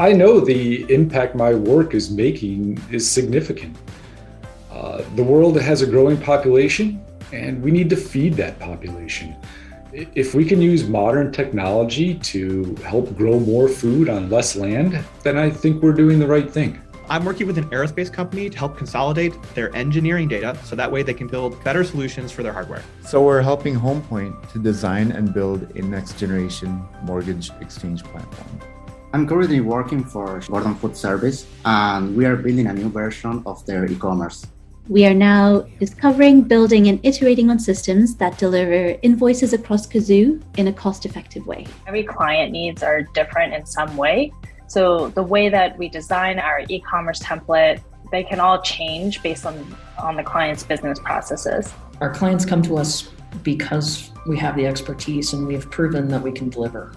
I know the impact my work is making is significant. The world has a growing population, and we need to feed that population. If we can use modern technology to help grow more food on less land, then I think we're doing the right thing. I'm working with an aerospace company to help consolidate their engineering data, so that way they can build better solutions for their hardware. We're helping Homepoint to design and build a next generation mortgage exchange platform. I'm currently working for Gordon Food Service, and we are building a new version of their e-commerce. We are now discovering, building, and iterating on systems that deliver invoices across Cazoo in a cost-effective way. Every client needs are different in some way, so the way that we design our e-commerce template, they can all change based on the client's business processes. Our clients come to us because we have the expertise, and we have proven that we can deliver.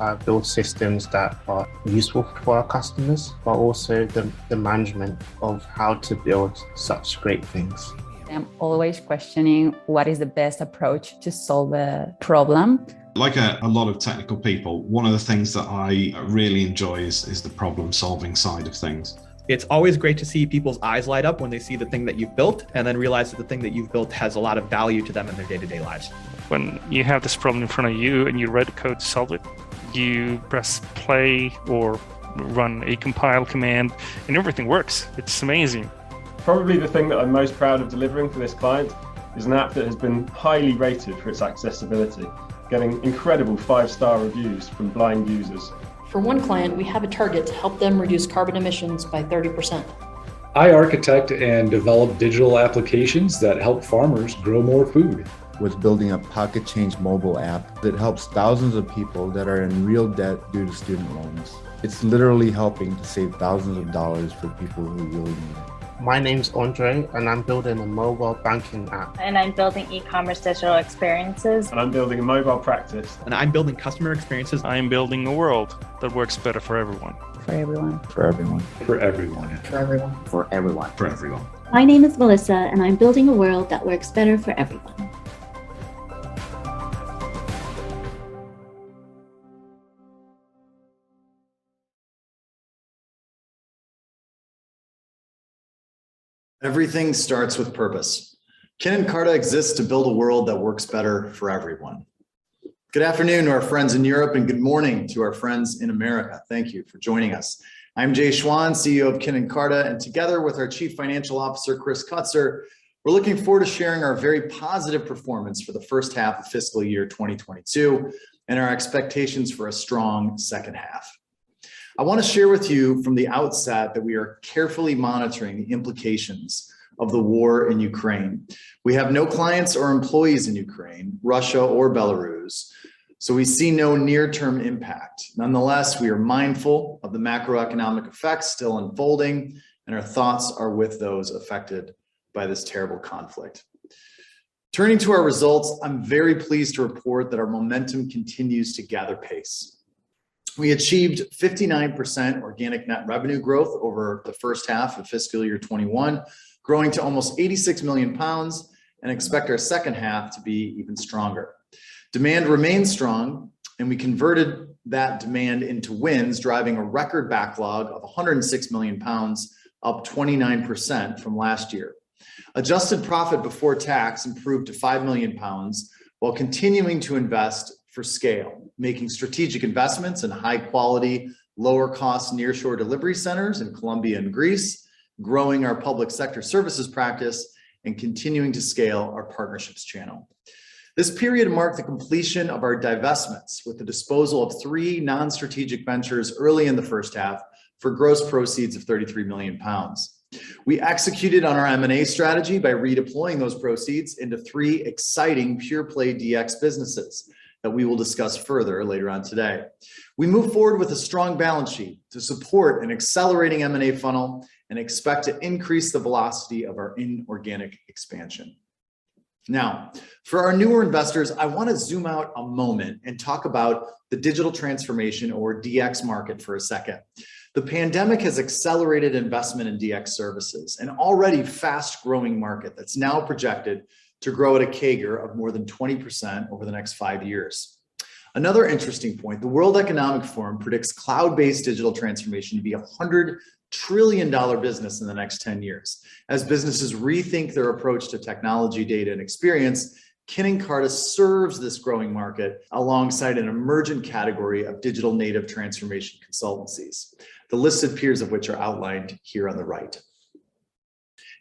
I build systems that are useful for our customers, but also the management of how to build such great things. I'm always questioning what is the best approach to solve a problem. Like a lot of technical people, one of the things that I really enjoy is the problem-solving side of things. It's always great to see people's eyes light up when they see the thing that you've built and then realize that the thing that you've built has a lot of value to them in their day-to-day lives. When you have this problem in front of you and you write code to solve it, you press play or run a compile command, and everything works. It's amazing. Probably the thing that I'm most proud of delivering for this client is an app that has been highly rated for its accessibility, getting incredible five-star reviews from blind users. For one client, we have a target to help them reduce carbon emissions by 30%. I architect and develop digital applications that help farmers grow more food. With building a pocket change mobile app that helps thousands of people that are in real debt due to student loans. It's literally helping to save $ thousands for people who really need it. My name's Andre, and I'm building a mobile banking app. I'm building e-commerce digital experiences. I'm building a mobile practice. I'm building customer experiences. I am building a world that works better for everyone. For everyone. For everyone. For everyone. For everyone. For everyone. For everyone. My name is Melissa, and I'm building a world that works better for everyone. Everything starts with purpose. Kin + Carta exists to build a world that works better for everyone. Good afternoon to our friends in Europe, and good morning to our friends in America. Thank you for joining us. I'm Jay Schwan, CEO of Kin + Carta, and together with our Chief Financial Officer, Chris Kutsor, we're looking forward to sharing our very positive performance for the first half of fiscal year 2022 and our expectations for a strong second half. I want to share with you from the outset that we are carefully monitoring the implications of the war in Ukraine. We have no clients or employees in Ukraine, Russia or Belarus, so we see no near-term impact. Nonetheless, we are mindful of the macroeconomic effects still unfolding, and our thoughts are with those affected by this terrible conflict. Turning to our results, I'm very pleased to report that our momentum continues to gather pace. We achieved 59% organic net revenue growth over the first half of FY 2021, growing to almost 86 million pounds, and expect our second half to be even stronger. Demand remains strong, and we converted that demand into wins, driving a record backlog of 106 million pounds, up 29% from last year. Adjusted profit before tax improved to 5 million pounds while continuing to invest for scale, making strategic investments in high-quality, lower-cost nearshore delivery centers in Colombia and Greece, growing our public sector services practice, and continuing to scale our partnerships channel. This period marked the completion of our divestments with the disposal of three non-strategic ventures early in the first half for gross proceeds of 33 million pounds. We executed on our M&A strategy by redeploying those proceeds into 3 exciting pure-play DX businesses that we will discuss further later on today. We move forward with a strong balance sheet to support an accelerating M&A funnel and expect to increase the velocity of our inorganic expansion. Now, for our newer investors, I want to zoom out a moment and talk about the digital transformation or DX market for a second. The pandemic has accelerated investment in DX services, an already fast-growing market that's now projected to grow at a CAGR of more than 20% over the next 5 years. Another interesting point, the World Economic Forum predicts cloud-based digital transformation to be a $100 trillion business in the next 10 years. As businesses rethink their approach to technology, data, and experience, Kin + Carta serves this growing market alongside an emergent category of digital native transformation consultancies, the list of peers of which are outlined here on the right.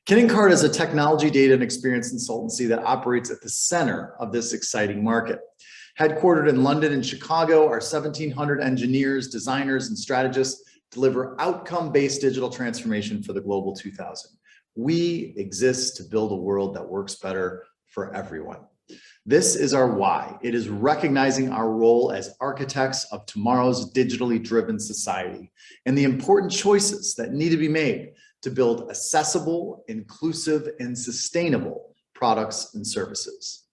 Kin + Carta is a technology, data, and experience consultancy that operates at the center of this exciting market. Headquartered in London and Chicago, our 1,700 engineers, designers, and strategists deliver outcome-based digital transformation for the Global 2000. We exist to build a world that works better for everyone. This is our why. It is recognizing our role as architects of tomorrow's digitally driven society and the important choices that need to be made to build accessible, inclusive, and sustainable products and services.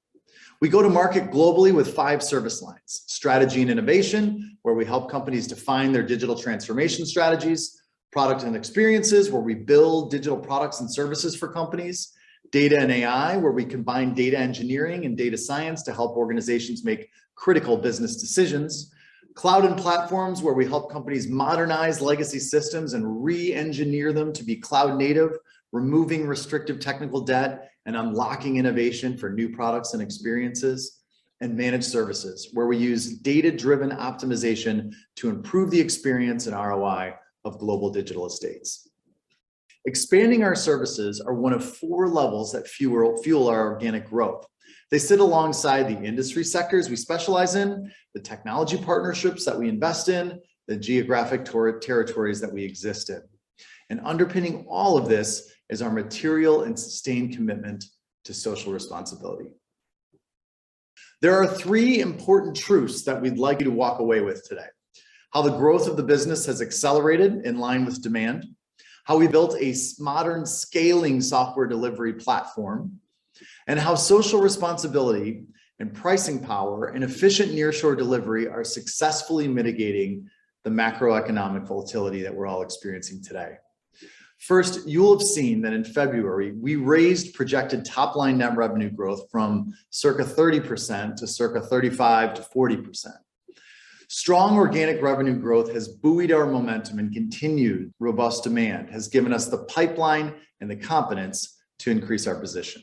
We go to market globally with five service lines, strategy and innovation, where we help companies define their digital transformation strategies. Products and experiences where we build digital products and services for companies, data and AI, where we combine data engineering and data science to help organizations make critical business decisions, cloud and platforms, where we help companies modernize legacy systems and re-engineer them to be cloud native, removing restrictive technical debt and unlocking innovation for new products and experiences, and managed services, where we use data-driven optimization to improve the experience and ROI of global digital estates. Expanding our services are one of four levels that fuel our organic growth. They sit alongside the industry sectors we specialize in, the technology partnerships that we invest in, the geographic territories that we exist in, and underpinning all of this is our material and sustained commitment to social responsibility. There are three important truths that we'd like you to walk away with today, how the growth of the business has accelerated in line with demand, how we built a modern scaling software delivery platform, and how social responsibility and pricing power and efficient nearshore delivery are successfully mitigating the macroeconomic volatility that we're all experiencing today. First, you'll have seen that in February we raised projected top-line net revenue growth from circa 30% to circa 35%-40%. Strong organic revenue growth has buoyed our momentum, and continued robust demand has given us the pipeline and the confidence to increase our position.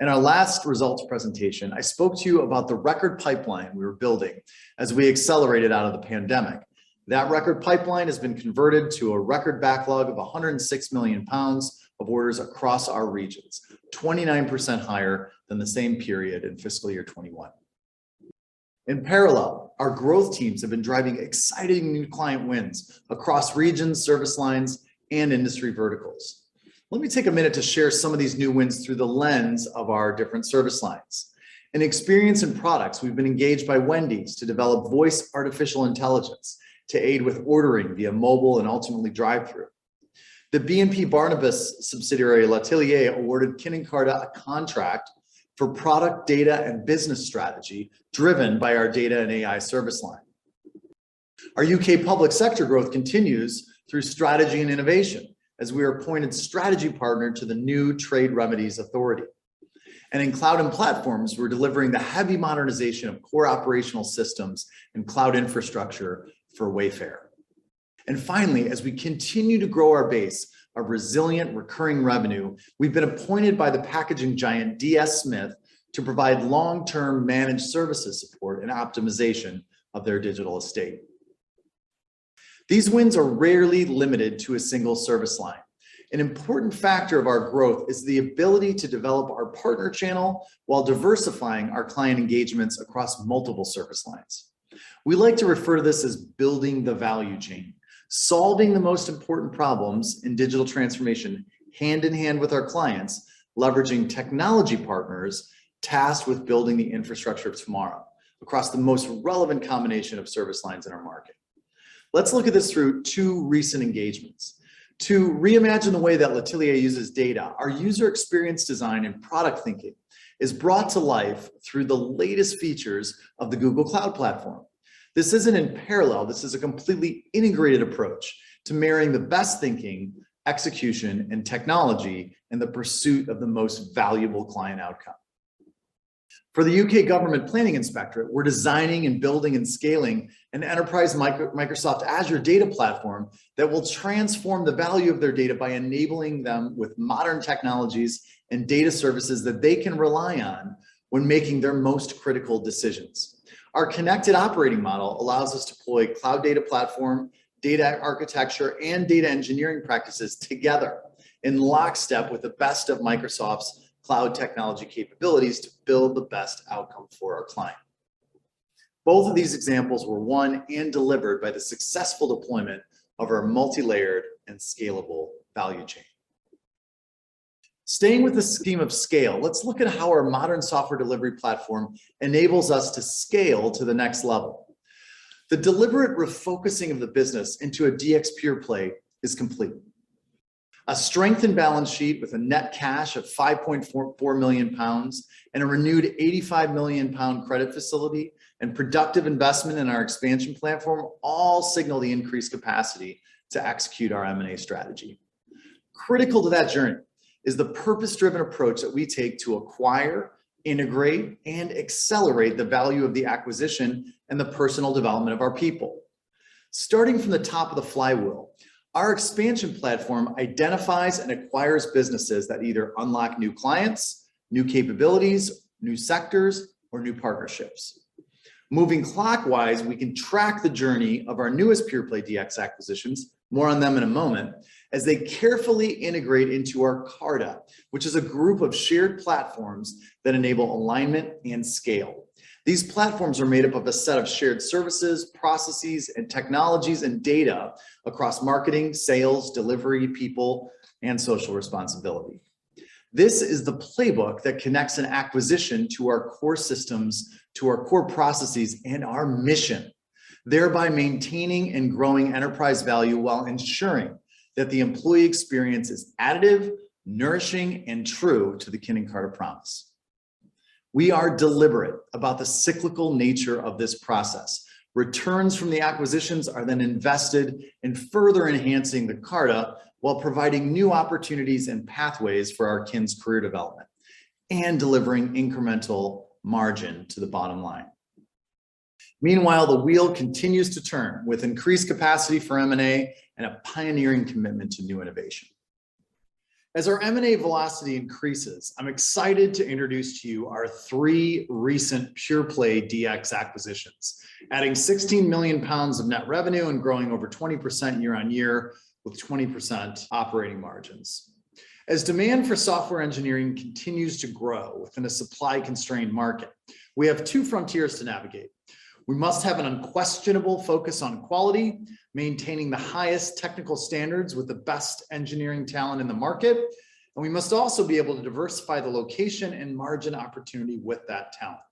In our last results presentation, I spoke to you about the record pipeline we were building as we accelerated out of the pandemic. That record pipeline has been converted to a record backlog of 106 million pounds of orders across our regions, 29% higher than the same period in FY 2021. In parallel, our growth teams have been driving exciting new client wins across regions, service lines, and industry verticals. Let me take a minute to share some of these new wins through the lens of our different service lines. In experience and products, we've been engaged by Wendy's to develop voice artificial intelligence to aid with ordering via mobile and ultimately drive-through. The BNP Paribas subsidiary L'Atelier awarded Kin + Carta a contract for product data and business strategy driven by our data and AI service line. Our UK public sector growth continues through strategy and innovation as we are appointed strategy partner to the new Trade Remedies Authority. In cloud and platforms, we're delivering the heavy modernization of core operational systems and cloud infrastructure for Wayfair. Finally, as we continue to grow our base, our resilient recurring revenue, we've been appointed by the packaging giant DS Smith to provide long-term managed services support and optimization of their digital estate. These wins are rarely limited to a single service line. An important factor of our growth is the ability to develop our partner channel while diversifying our client engagements across multiple service lines. We like to refer to this as building the value chain, solving the most important problems in digital transformation hand in hand with our clients, leveraging technology partners tasked with building the infrastructure of tomorrow across the most relevant combination of service lines in our market. Let's look at this through two recent engagements. To reimagine the way that L'Atelier uses data, our user experience design and product thinking is brought to life through the latest features of the Google Cloud Platform. This isn't in parallel. This is a completely integrated approach to marrying the best thinking, execution, and technology in the pursuit of the most valuable client outcome. For the U.K. Government Planning Inspectorate, we're designing and building and scaling an enterprise Microsoft Azure data platform that will transform the value of their data by enabling them with modern technologies and data services that they can rely on when making their most critical decisions. Our connected operating model allows us to deploy cloud data platform, data architecture, and data engineering practices together in lockstep with the best of Microsoft's cloud technology capabilities to build the best outcome for our client. Both of these examples were won and delivered by the successful deployment of our multilayered and scalable value chain. Staying with the scheme of scale, let's look at how our modern software delivery platform enables us to scale to the next level. The deliberate refocusing of the business into a DX pure-play is complete. A strengthened balance sheet with a net cash of 5.44 million pounds and a renewed 85 million pound credit facility and productive investment in our expansion platform all signal the increased capacity to execute our M&A strategy. Critical to that journey is the purpose-driven approach that we take to acquire, integrate, and accelerate the value of the acquisition and the personal development of our people. Starting from the top of the flywheel, our expansion platform identifies and acquires businesses that either unlock new clients, new capabilities, new sectors, or new partnerships. Moving clockwise, we can track the journey of our newest pure-play DX acquisitions, more on them in a moment, as they carefully integrate into our Carta, which is a group of shared platforms that enable alignment and scale. These platforms are made up of a set of shared services, processes, and technologies and data across marketing, sales, delivery, people, and social responsibility. This is the playbook that connects an acquisition to our core systems, to our core processes, and our mission, thereby maintaining and growing enterprise value while ensuring that the employee experience is additive, nourishing, and true to the Kin + Carta promise. We are deliberate about the cyclical nature of this process. Returns from the acquisitions are then invested in further enhancing the Carta while providing new opportunities and pathways for our kin's career development and delivering incremental margin to the bottom line. Meanwhile, the wheel continues to turn with increased capacity for M&A and a pioneering commitment to new innovation. As our M&A velocity increases, I'm excited to introduce to you our three recent pure-play DX acquisitions, adding 16 million pounds of net revenue and growing over 20% year-on-year with 20% operating margins. As demand for software engineering continues to grow within a supply-constrained market, we have two frontiers to navigate. We must have an unquestionable focus on quality, maintaining the highest technical standards with the best engineering talent in the market, and we must also be able to diversify the location and margin opportunity with that talent.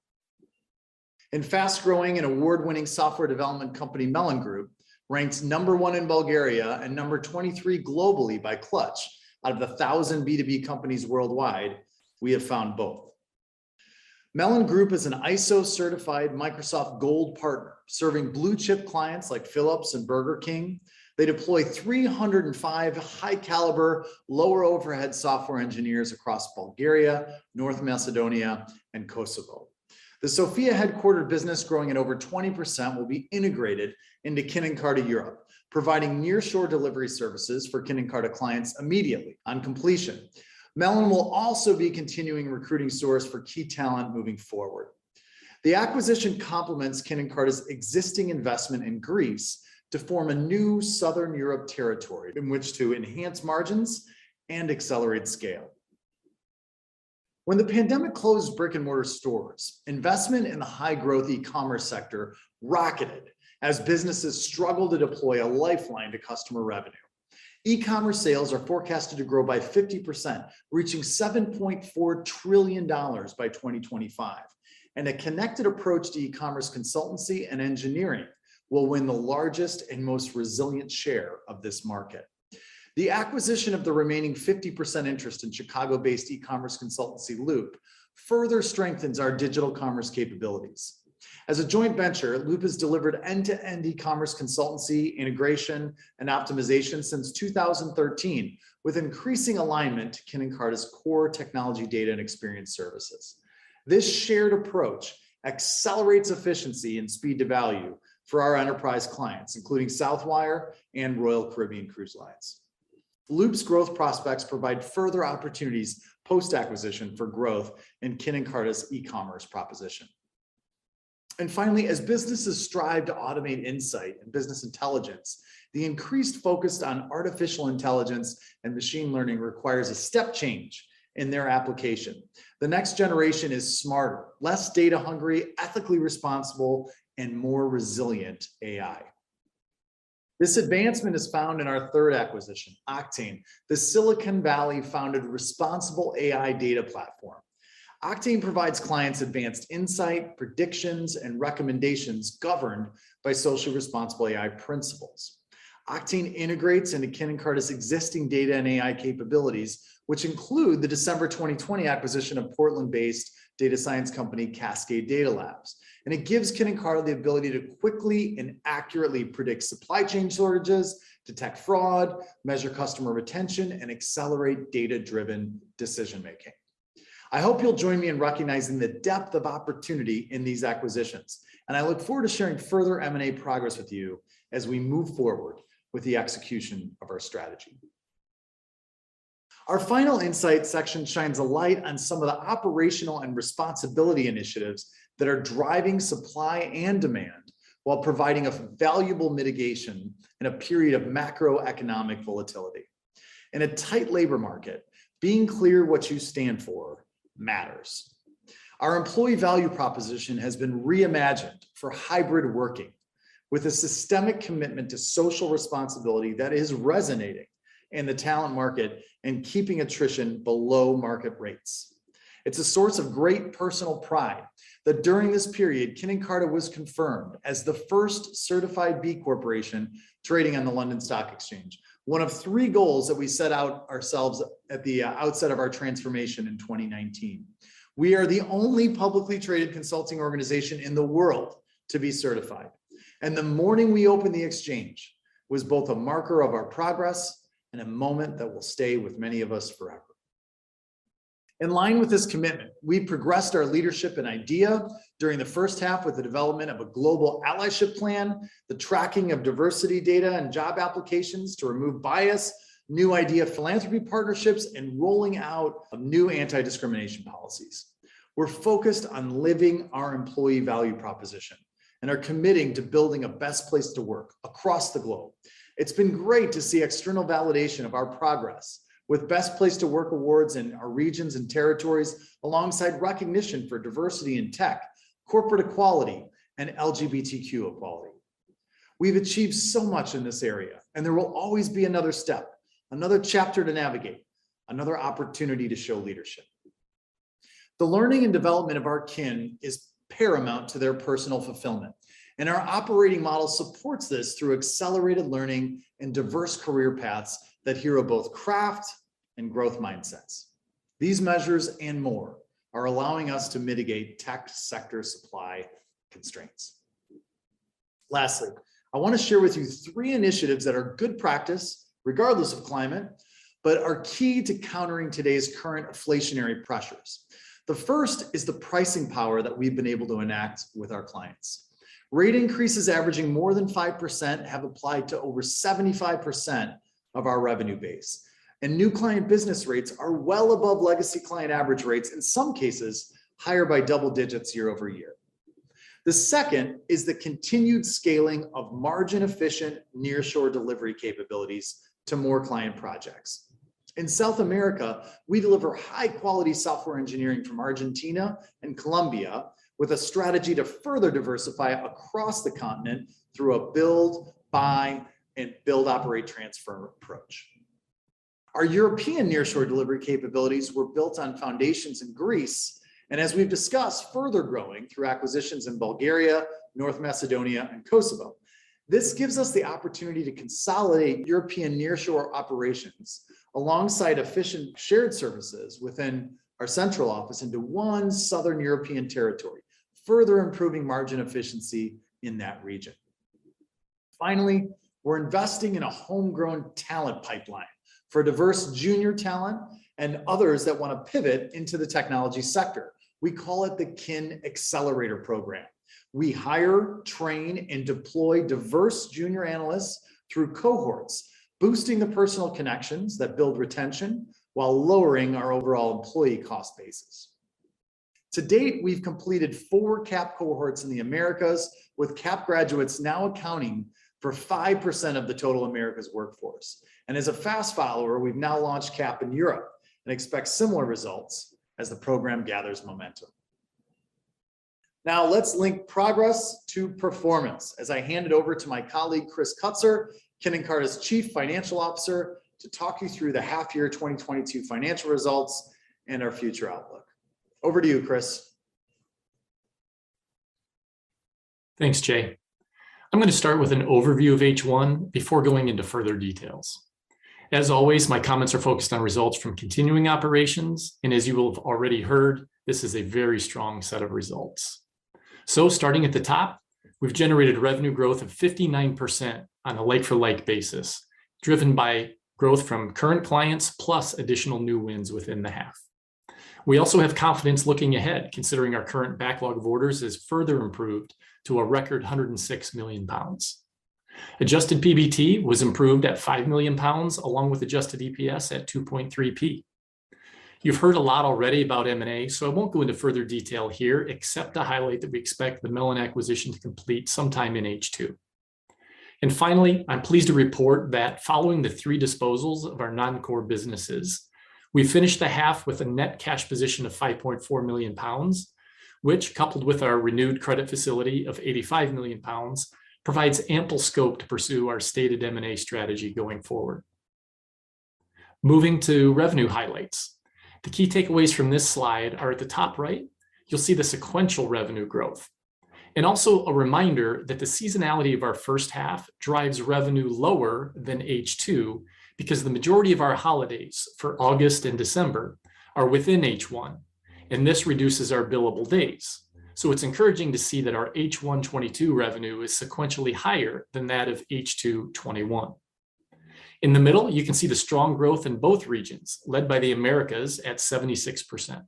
In fast-growing and award-winning software development company Melon Group, ranks number 1 in Bulgaria and number 23 globally by Clutch out of the 1,000 B2B companies worldwide, we have found both. Melon Group is an ISO-certified Microsoft Gold Partner serving blue-chip clients like Philips and Burger King. They deploy 305 high-caliber, lower-overhead software engineers across Bulgaria, North Macedonia, and Kosovo. The Sofia-headquartered business growing at over 20% will be integrated into Kin + Carta Europe, providing near-shore delivery services for Kin + Carta clients immediately on completion. Melon will also be a continuing recruiting source for key talent moving forward. The acquisition complements Kin + Carta's existing investment in Greece to form a new Southern Europe territory in which to enhance margins and accelerate scale. When the pandemic closed brick-and-mortar stores, investment in the high-growth e-commerce sector rocketed as businesses struggled to deploy a lifeline to customer revenue. E-commerce sales are forecasted to grow by 50%, reaching $7.4 trillion by 2025, and a connected approach to e-commerce consultancy and engineering will win the largest and most resilient share of this market. The acquisition of the remaining 50% interest in Chicago-based e-commerce consultancy Loop further strengthens our digital commerce capabilities. As a joint venture, Loop has delivered end-to-end e-commerce consultancy, integration, and optimization since 2013, with increasing alignment to Kin + Carta's core technology, data, and experience services. This shared approach accelerates efficiency and speed to value for our enterprise clients, including Southwire and Royal Caribbean. Loop's growth prospects provide further opportunities post-acquisition for growth in Kin + Carta's e-commerce proposition. Finally, as businesses strive to automate insight and business intelligence, the increased focus on artificial intelligence and machine learning requires a step change in their application. The next generation is smarter, less data-hungry, ethically responsible, and more resilient AI. This advancement is found in our third acquisition, Octain, the Silicon Valley-founded responsible AI data platform. Octain provides clients advanced insight, predictions, and recommendations governed by socially responsible AI principles. Octain integrates into Kin + Carta's existing data and AI capabilities, which include the December 2020 acquisition of Portland-based data science company Cascade Data Labs. It gives Kin + Carta the ability to quickly and accurately predict supply chain shortages, detect fraud, measure customer retention, and accelerate data-driven decision-making. I hope you'll join me in recognizing the depth of opportunity in these acquisitions, and I look forward to sharing further M&A progress with you as we move forward with the execution of our strategy. Our final insight section shines a light on some of the operational and responsibility initiatives that are driving supply and demand while providing a valuable mitigation in a period of macroeconomic volatility. In a tight labor market, being clear what you stand for matters. Our employee value proposition has been reimagined for hybrid working with a systemic commitment to social responsibility that is resonating in the talent market and keeping attrition below market rates. It's a source of great personal pride that during this period, Kin + Carta was confirmed as the first certified B Corp trading on the London Stock Exchange, one of three goals that we set out ourselves at the outset of our transformation in 2019. We are the only publicly traded consulting organization in the world to be certified. The morning we opened the exchange was both a marker of our progress and a moment that will stay with many of us forever. In line with this commitment, we progressed our leadership and IDEA during the first half with the development of a global allyship plan, the tracking of diversity data and job applications to remove bias, new IDEA philanthropy partnerships, and rolling out of new anti-discrimination policies. We're focused on living our employee value proposition and are committing to building a best place to work across the globe. It's been great to see external validation of our progress with Best Place to Work awards in our regions and territories, alongside recognition for diversity in tech, corporate equality, and LGBTQ equality. We've achieved so much in this area, and there will always be another step, another chapter to navigate, another opportunity to show leadership. The learning and development of our kin is paramount to their personal fulfillment, and our operating model supports this through accelerated learning and diverse career paths that hero both craft and growth mindsets. These measures and more are allowing us to mitigate tech sector supply constraints. Lastly, I wanna share with you three initiatives that are good practice regardless of climate, but are key to countering today's current inflationary pressures. The first is the pricing power that we've been able to enact with our clients. Rate increases averaging more than 5% have applied to over 75% of our revenue base, and new client business rates are well above legacy client average rates, in some cases, higher by double digits year-over-year. The second is the continued scaling of margin efficient nearshore delivery capabilities to more client projects. In South America, we deliver high-quality software engineering from Argentina and Colombia with a strategy to further diversify across the continent through a build, buy, and build operate transfer approach. Our European nearshore delivery capabilities were built on foundations in Greece, and as we've discussed, further growing through acquisitions in Bulgaria, North Macedonia, and Kosovo. This gives us the opportunity to consolidate European nearshore operations alongside efficient shared services within our central office into one Southern European territory, further improving margin efficiency in that region. Finally, we're investing in a homegrown talent pipeline for diverse junior talent and others that wanna pivot into the technology sector. We call it the Kin Accelerator Program. We hire, train, and deploy diverse junior analysts through cohorts, boosting the personal connections that build retention while lowering our overall employee cost basis. To date, we've completed 4 CAP cohorts in the Americas with CAP graduates now accounting for 5% of the total America's workforce. As a fast follower, we've now launched CAP in Europe and expect similar results as the program gathers momentum. Now let's link progress to performance as I hand it over to my colleague, Chris Kutsor, Kin + Carta's Chief Financial Officer, to talk you through the half year 2022 financial results and our future outlook. Over to you, Chris. Thanks, Jay. I'm gonna start with an overview of H1 before going into further details. As always, my comments are focused on results from continuing operations, and as you will have already heard, this is a very strong set of results. Starting at the top, we've generated revenue growth of 59% on a like for like basis, driven by growth from current clients plus additional new wins within the half. We also have confidence looking ahead, considering our current backlog of orders is further improved to a record 106 million pounds. Adjusted PBT was improved at 5 million pounds along with adjusted EPS at 2.3p. You've heard a lot already about M&A, so I won't go into further detail here except to highlight that we expect the Melon acquisition to complete sometime in H2. Finally, I'm pleased to report that following the three disposals of our non-core businesses, we finished the half with a net cash position of 5.4 million pounds, which, coupled with our renewed credit facility of 85 million pounds, provides ample scope to pursue our stated M&A strategy going forward. Moving to revenue highlights. The key takeaways from this slide are at the top right. You'll see the sequential revenue growth. Also a reminder that the seasonality of our first half drives revenue lower than H2 because the majority of our holidays for August and December are within H1, and this reduces our billable days. It's encouraging to see that our H1 2022 revenue is sequentially higher than that of H2 2021. In the middle, you can see the strong growth in both regions led by the Americas at 76%.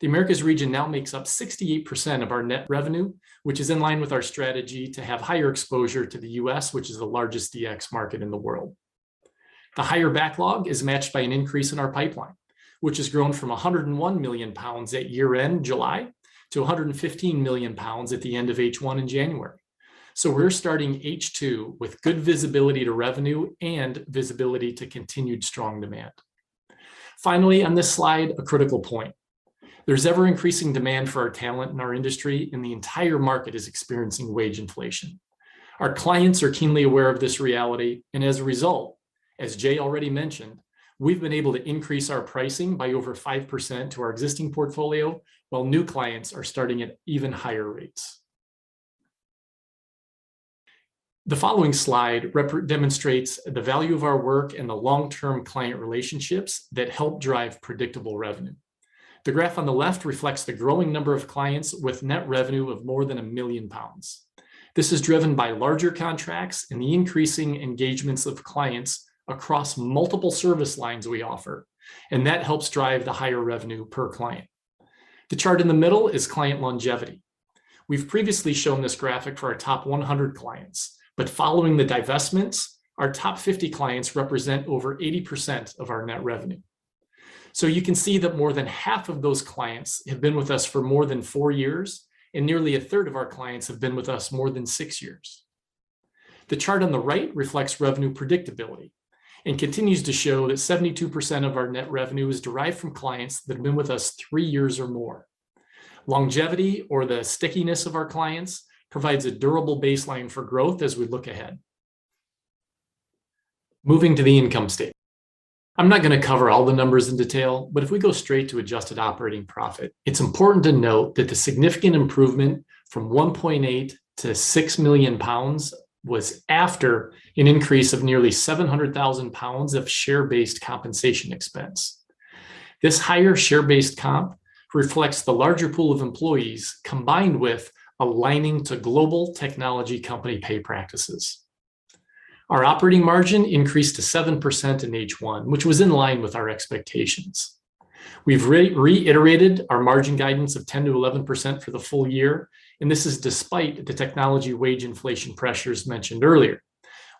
The Americas region now makes up 68% of our net revenue, which is in line with our strategy to have higher exposure to the U.S., which is the largest DX market in the world. The higher backlog is matched by an increase in our pipeline, which has grown from 101 million pounds at year-end July to 115 million pounds at the end of H1 in January. We're starting H2 with good visibility to revenue and visibility to continued strong demand. Finally, on this slide, a critical point. There's ever-increasing demand for our talent in our industry, and the entire market is experiencing wage inflation. Our clients are keenly aware of this reality, and as a result, as Jay already mentioned, we've been able to increase our pricing by over 5% to our existing portfolio while new clients are starting at even higher rates. The following slide demonstrates the value of our work and the long-term client relationships that help drive predictable revenue. The graph on the left reflects the growing number of clients with net revenue of more than 1 million pounds. This is driven by larger contracts and the increasing engagements of clients across multiple service lines we offer, and that helps drive the higher revenue per client. The chart in the middle is client longevity. We've previously shown this graphic for our top 100 clients, but following the divestments, our top 50 clients represent over 80% of our net revenue. You can see that more than half of those clients have been with us for more than four years, and nearly a third of our clients have been with us more than six years. The chart on the right reflects revenue predictability and continues to show that 72% of our net revenue is derived from clients that have been with us three years or more. Longevity or the stickiness of our clients provides a durable baseline for growth as we look ahead. Moving to the income statement. I'm not gonna cover all the numbers in detail, but if we go straight to adjusted operating profit, it's important to note that the significant improvement from 1.8 million to 6 million pounds was after an increase of nearly 700,000 pounds of share-based compensation expense. This higher share-based comp reflects the larger pool of employees combined with aligning to global technology company pay practices. Our operating margin increased to 7% in H1, which was in line with our expectations. We've reiterated our margin guidance of 10%-11% for the full year, and this is despite the technology wage inflation pressures mentioned earlier,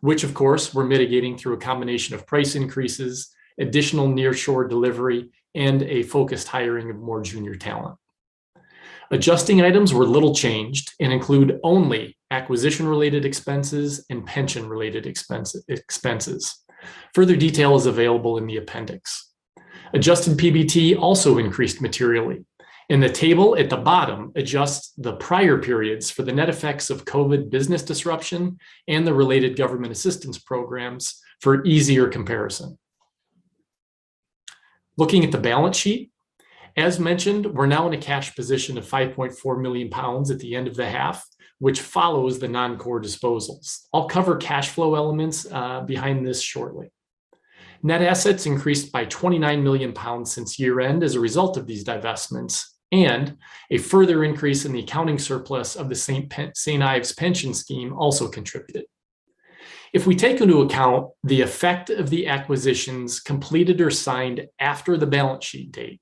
which of course we're mitigating through a combination of price increases, additional nearshore delivery, and a focused hiring of more junior talent. Adjusting items were little changed and include only acquisition related expenses and pension related expenses. Further detail is available in the appendix. Adjusted PBT also increased materially, and the table at the bottom adjusts the prior periods for the net effects of COVID business disruption and the related government assistance programs for easier comparison. Looking at the balance sheet, as mentioned, we're now in a cash position of 5.4 million pounds at the end of the half, which follows the non-core disposals. I'll cover cash flow elements behind this shortly. Net assets increased by 29 million pounds since year-end as a result of these divestments, and a further increase in the accounting surplus of the St Ives pension scheme also contributed. If we take into account the effect of the acquisitions completed or signed after the balance sheet date,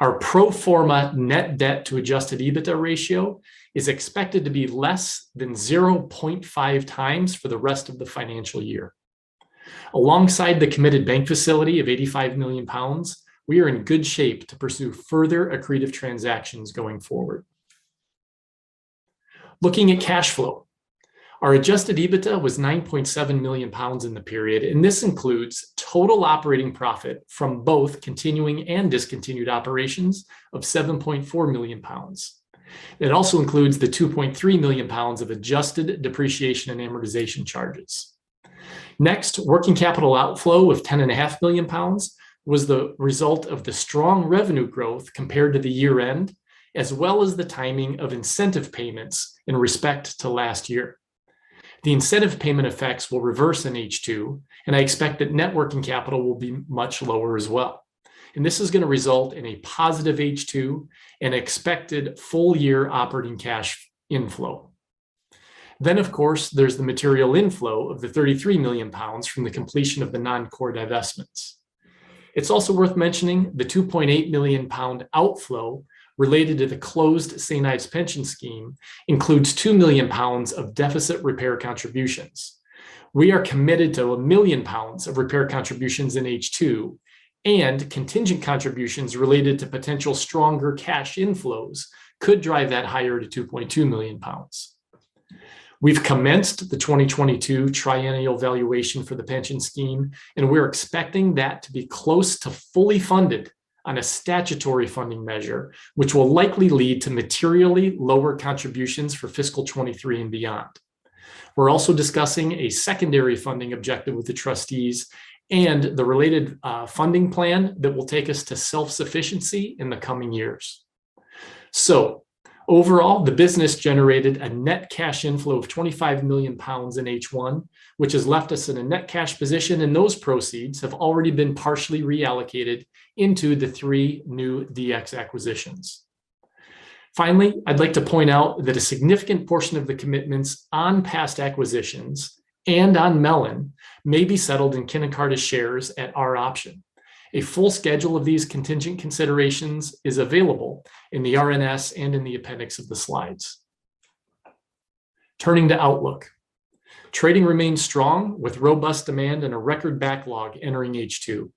our pro forma net debt to adjusted EBITDA ratio is expected to be less than 0.5 times for the rest of the financial year. Alongside the committed bank facility of 85 million pounds, we are in good shape to pursue further accretive transactions going forward. Looking at cash flow, our adjusted EBITDA was 9.7 million pounds in the period, and this includes total operating profit from both continuing and discontinued operations of 7.4 million pounds. It also includes the 2.3 million pounds of adjusted depreciation and amortization charges. Next, working capital outflow of 10.5 million pounds was the result of the strong revenue growth compared to the year-end, as well as the timing of incentive payments in respect to last year. The incentive payment effects will reverse in H2, and I expect that net working capital will be much lower as well, and this is gonna result in a positive H2 and expected full year operating cash inflow. Of course, there's the material inflow of the 33 million pounds from the completion of the non-core divestments. It's also worth mentioning the 2.8 million pound outflow related to the closed St Ives. Ives pension scheme includes 2 million pounds of deficit repair contributions. We are committed to 1 million pounds of repair contributions in H2, and contingent contributions related to potential stronger cash inflows could drive that higher to 2.2 million pounds. We've commenced the 2022 triennial valuation for the pension scheme, and we're expecting that to be close to fully funded on a statutory funding measure, which will likely lead to materially lower contributions for fiscal 2023 and beyond. We're also discussing a secondary funding objective with the trustees and the related funding plan that will take us to self-sufficiency in the coming years. Overall, the business generated a net cash inflow of 25 million pounds in H1, which has left us in a net cash position, and those proceeds have already been partially reallocated into the three new DX acquisitions. Finally, I'd like to point out that a significant portion of the commitments on past acquisitions and on Melon may be settled in Kin + Carta shares at our option. A full schedule of these contingent considerations is available in the RNS and in the appendix of the slides. Turning to outlook. Trading remains strong with robust demand and a record backlog entering H2.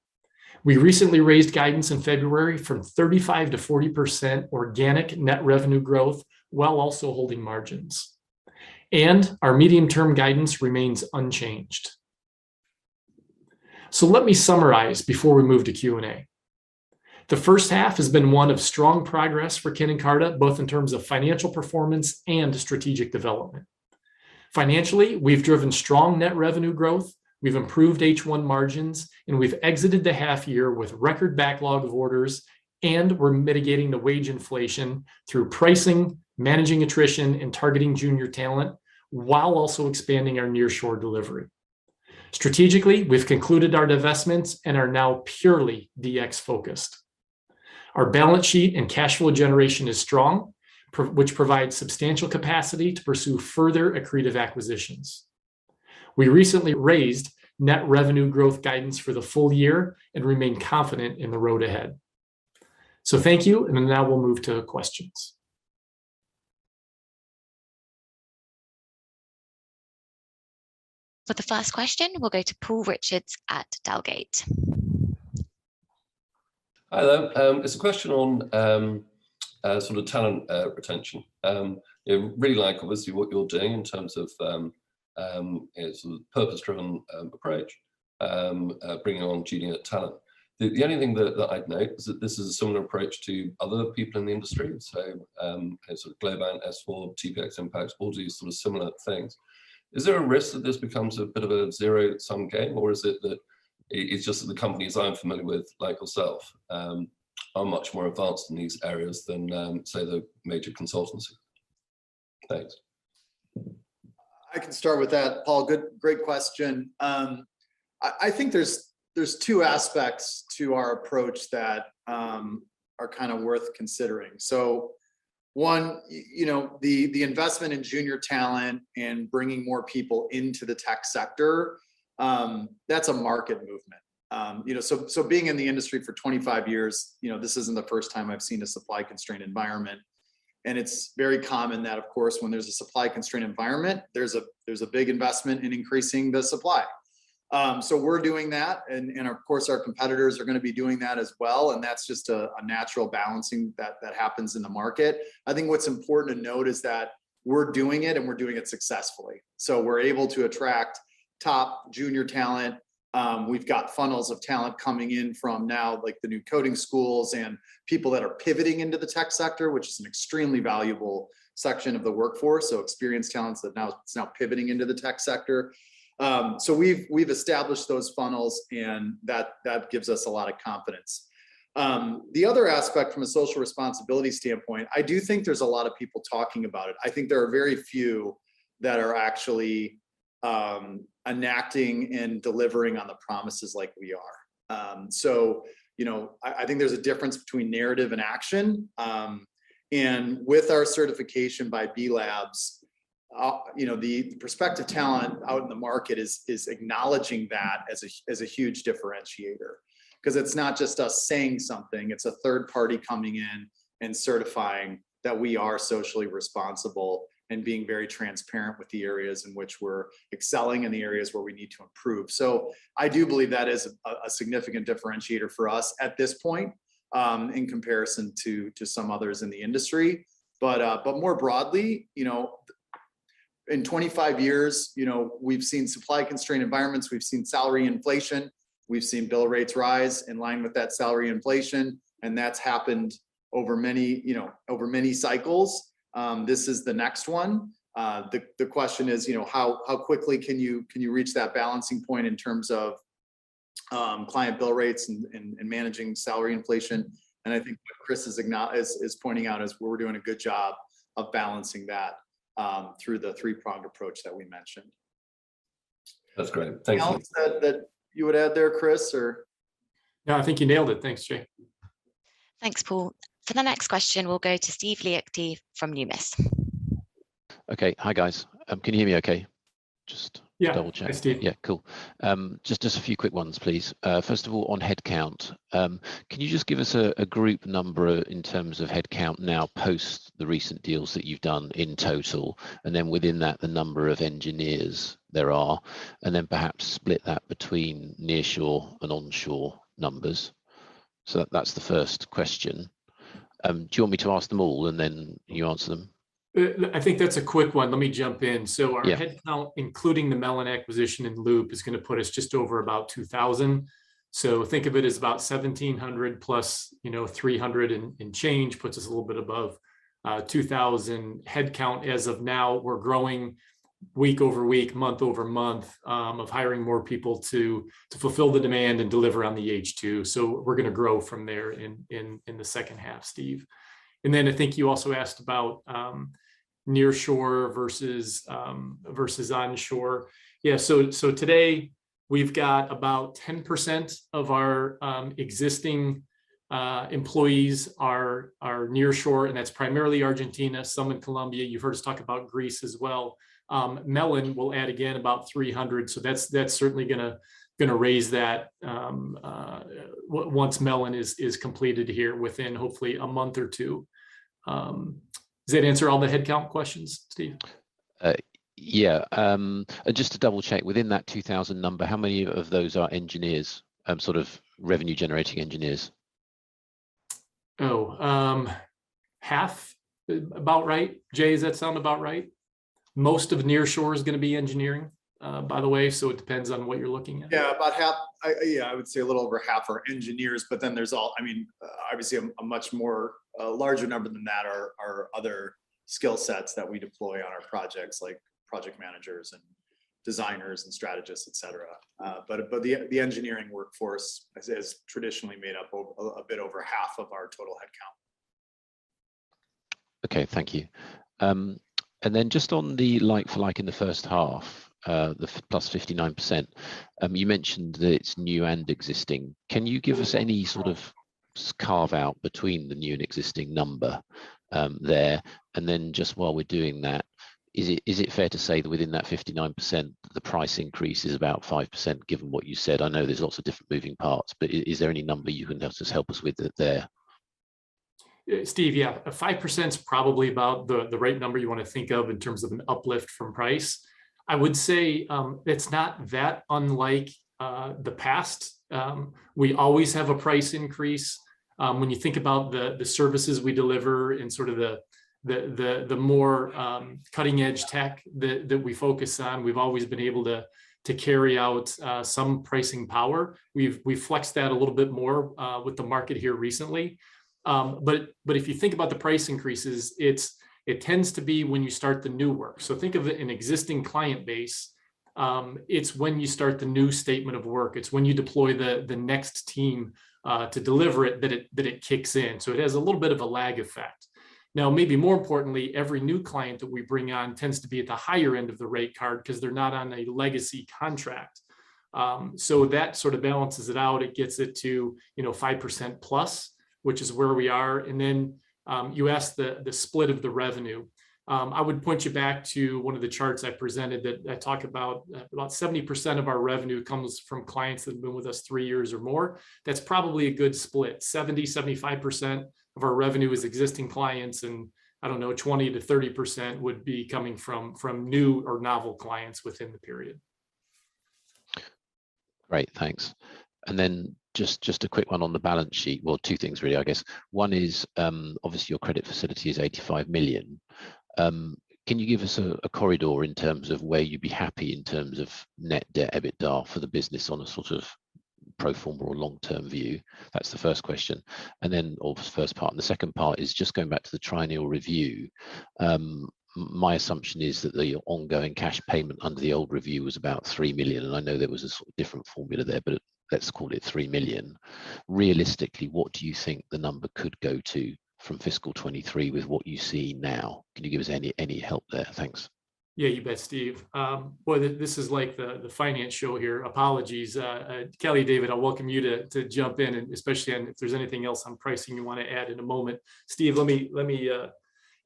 We recently raised guidance in February from 35%-40% organic net revenue growth while also holding margins, and our medium-term guidance remains unchanged. Let me summarize before we move to Q&A. The first half has been one of strong progress for Kin + Carta, both in terms of financial performance and strategic development. Financially, we've driven strong net revenue growth. We've improved H1 margins, and we've exited the half year with record backlog of orders, and we're mitigating the wage inflation through pricing, managing attrition, and targeting junior talent while also expanding our nearshore delivery. Strategically, we've concluded our divestments and are now purely DX-focused. Our balance sheet and cash flow generation is strong, which provides substantial capacity to pursue further accretive acquisitions. We recently raised net revenue growth guidance for the full year and remain confident in the road ahead. Thank you, and now we'll move to questions. For the first question, we'll go to Paul Richards at Dowgate. Hi there. It's a question on sort of talent retention. You know, really like obviously what you're doing in terms of its purpose-driven bringing on junior talent. The only thing that I'd note is that this is a similar approach to other people in the industry. Kind of Globant, S4, TPX, Mplex, all these sort of similar things. Is there a risk that this becomes a bit of a zero-sum game, or is it that it's just that the companies I'm familiar with, like yourself, are much more advanced in these areas than say the major consultants? Thanks. I can start with that, Paul. Good. Great question. I think there's two aspects to our approach that are kind of worth considering. So, You know, the investment in junior talent and bringing more people into the tech sector, that's a market movement. You know, being in the industry for 25 years, you know, this isn't the first time I've seen a supply-constrained environment, and it's very common that, of course, when there's a supply-constrained environment, there's a big investment in increasing the supply. We're doing that, and of course our competitors are gonna be doing that as well, and that's just a natural balancing that happens in the market. I think what's important to note is that we're doing it, and we're doing it successfully, so we're able to attract top junior talent. We've got funnels of talent coming in from now, like the new coding schools and people that are pivoting into the tech sector, which is an extremely valuable section of the workforce, so experienced talents that now it's pivoting into the tech sector. We've established those funnels, and that gives us a lot of confidence. The other aspect from a social responsibility standpoint, I do think there's a lot of people talking about it. I think there are very few that are actually enacting and delivering on the promises like we are. You know, I think there's a difference between narrative and action. With our certification by B Lab, you know, the prospective talent out in the market is acknowledging that as a huge differentiator 'cause it's not just us saying something. It's a third party coming in and certifying that we are socially responsible and being very transparent with the areas in which we're excelling and the areas where we need to improve. I do believe that is a significant differentiator for us at this point, in comparison to some others in the industry. More broadly, you know, in 25 years, you know, we've seen supply-constrained environments. We've seen salary inflation. We've seen bill rates rise in line with that salary inflation, and that's happened over many cycles. This is the next one. The question is, you know, how quickly can you reach that balancing point in terms of client bill rates and managing salary inflation? I think what Chris is pointing out is we're doing a good job of balancing that through the three-pronged approach that we mentioned. That's great. Thank you. Anything else that you would add there, Chris, or? No, I think you nailed it. Thanks, Jay. Thanks, Paul. For the next question, we'll go to Steve Liechti from Numis. Okay. Hi, guys. Can you hear me okay? Yeah. Double-check. Yes, Steve. Yeah, cool. Just a few quick ones, please. First of all, on headcount, can you just give us a group number in terms of headcount now post the recent deals that you've done in total and then within that the number of engineers there are, and then perhaps split that between nearshore and onshore numbers? So that's the first question. Do you want me to ask them all, and then you answer them? I think that's a quick one. Let me jump in. Yeah. Our headcount, including the Melon acquisition and Loop, is gonna put us just over about 2000. Think of it as about 1700 plus, you know, 300 and change puts us a little bit above 2000 headcount as of now. We're growing week-over-week, month-over-month, of hiring more people to fulfill the demand and deliver on the H2. We're gonna grow from there in the second half, Steve. I think you also asked about nearshore versus onshore. Today we've got about 10% of our existing employees are nearshore, and that's primarily Argentina, some in Colombia. You've heard us talk about Greece as well. Melon will add again about 300, so that's certainly gonna raise that, once Melon is completed here within hopefully a month or two. Does that answer all the headcount questions, Steve? Yeah. Just to double-check, within that 2,000 number, how many of those are engineers, sort of revenue-generating engineers? Half about right. Jay, does that sound about right? Most of nearshore is gonna be engineering, by the way, so it depends on what you're looking at. Yeah, about half. I would say a little over half are engineers. There's I mean, obviously a much larger number than that are other skill sets that we deploy on our projects, like project managers and designers and strategists, et cetera. The engineering workforce has traditionally made up over a bit over half of our total headcount. Okay. Thank you. Just on the like-for-like in the first half, the +59%, you mentioned that it's new and existing. Can you give us any sort of carve-out between the new and existing number there? Just while we're doing that, is it fair to say that within that 59%, the price increase is about 5% given what you said? I know there's lots of different moving parts, but is there any number you can just help us with there? Steve, 5%'s probably about the right number you wanna think of in terms of an uplift from price. I would say, it's not that unlike the past. We always have a price increase. When you think about the services we deliver and sort of the more cutting-edge tech that we focus on, we've always been able to carry out some pricing power. We've flexed that a little bit more with the market here recently. If you think about the price increases, it tends to be when you start the new work. It's when you start the new statement of work, it's when you deploy the next team to deliver it that it kicks in. It has a little bit of a lag effect. Now, maybe more importantly, every new client that we bring on tends to be at the higher end of the rate card because they're not on a legacy contract. That sort of balances it out. It gets it to, you know, 5%+, which is where we are. You asked the split of the revenue. I would point you back to one of the charts I presented that I talk about 70% of our revenue comes from clients that have been with us three years or more. That's probably a good split. 70%-75% of our revenue is existing clients, and I don't know, 20%-30% would be coming from new or novel clients within the period. Great. Thanks. Just a quick one on the balance sheet. Well, two things really I guess. One is, obviously, your credit facility is 85 million. Can you give us a corridor in terms of where you'd be happy in terms of net debt EBITDA for the business on a sort of pro forma or long-term view? That's the first question. Or first part. The second part is just going back to the triennial review. My assumption is that the ongoing cash payment under the old review was about 3 million, and I know there was a different formula there, but let's call it 3 million. Realistically, what do you think the number could go to from fiscal 2023 with what you see now? Can you give us any help there? Thanks. Yeah, you bet, Steve. Boy, this is like the finance show here. Apologies. Kelly, David, I welcome you to jump in, and especially on if there's anything else on pricing you wanna add in a moment. Steve, let me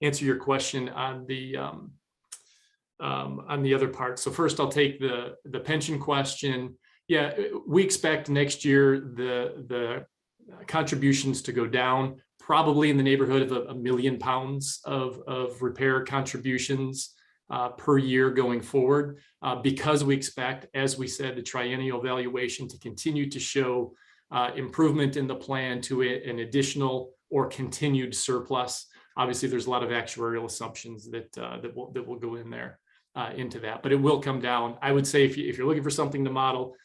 answer your question on the other part. First, I'll take the pension question. Yeah, we expect next year the contributions to go down probably in the neighborhood of 1 million pounds of repair contributions per year going forward, because we expect, as we said, the triennial valuation to continue to show improvement in the plan to an additional or continued surplus. Obviously, there's a lot of actuarial assumptions that will go in there into that, but it will come down. I would say if you're looking for something to model,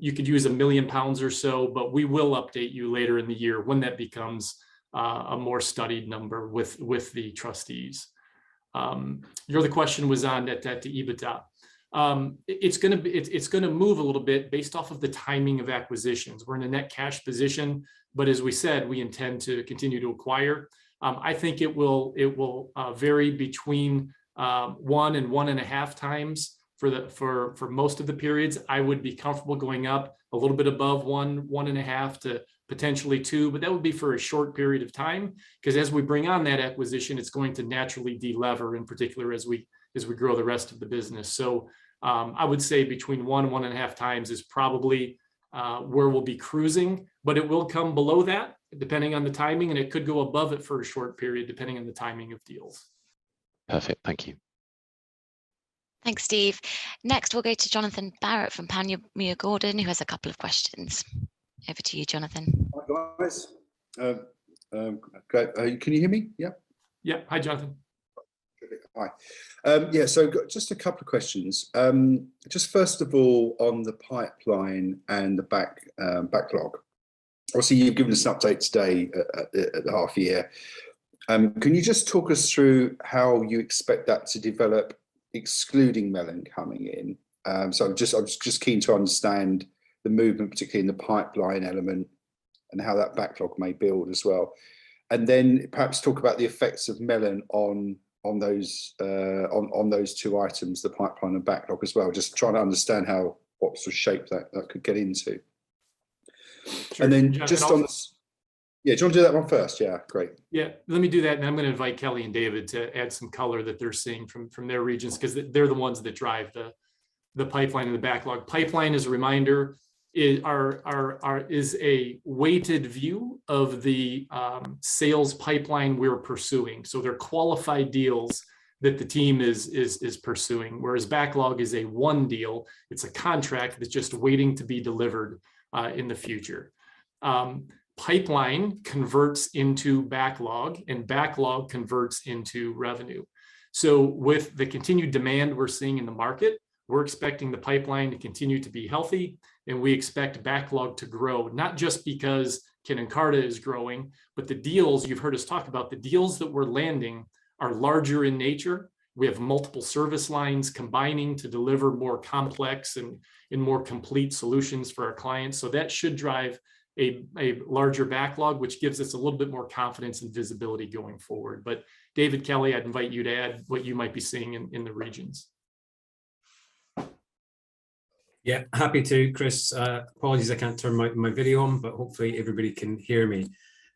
you could use 1 million pounds or so, but we will update you later in the year when that becomes a more studied number with the trustees. Your other question was on net debt to EBITDA. It's gonna move a little bit based off of the timing of acquisitions. We're in a net cash position, but as we said, we intend to continue to acquire. I think it will vary between 1 and 1.5 times for most of the periods. I would be comfortable going up a little bit above 1.5 to potentially 2, but that would be for a short period of time, 'cause as we bring on that acquisition, it's going to naturally de-lever, in particular as we grow the rest of the business. I would say between 1.5 times is probably where we'll be cruising, but it will come below that depending on the timing, and it could go above it for a short period, depending on the timing of deals. Perfect. Thank you. Thanks, Steve. Next, we'll go to Jonathan Barrett from Panmure Gordon, who has a couple of questions. Over to you, Jonathan. Hi, guys. Can you hear me? Yeah? Yeah. Hi, Jonathan. Hi. Yeah, just a couple of questions. Just first of all, on the pipeline and the backlog. Obviously, you've given us an update today at the half year. Can you just talk us through how you expect that to develop excluding Melon coming in? I'm just keen to understand the movement, particularly in the pipeline element and how that backlog may build as well. Perhaps talk about the effects of Melon on those two items, the pipeline and backlog as well. Just trying to understand what sort of shape that could get into. Sure. Yeah. Do you wanna do that one first? Yeah. Great. Yeah. Let me do that, and then I'm gonna invite Kelly and David to add some color that they're seeing from their regions 'cause they're the ones that drive the pipeline and the backlog. Pipeline as a reminder is a weighted view of the sales pipeline we're pursuing. So they're qualified deals that the team is pursuing, whereas backlog is one deal. It's a contract that's just waiting to be delivered in the future. Pipeline converts into backlog, and backlog converts into revenue. So with the continued demand we're seeing in the market, we're expecting the pipeline to continue to be healthy, and we expect backlog to grow, not just because Kin + Carta is growing, but the deals you've heard us talk about, the deals that we're landing are larger in nature. We have multiple service lines combining to deliver more complex and more complete solutions for our clients. That should drive a larger backlog, which gives us a little bit more confidence and visibility going forward. David, Kelly, I'd invite you to add what you might be seeing in the regions. Happy to, Chris. Apologies, I can't turn my video on, but hopefully everybody can hear me.